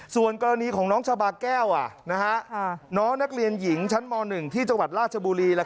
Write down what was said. ส่วนกรณีของน้องชาบาแก้วน้องนักเรียนหญิงชั้นม๑ที่จังหวัดราชบุรี